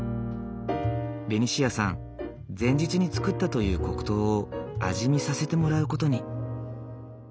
ベニシアさん前日に作ったという黒糖を味見させてもらう事に。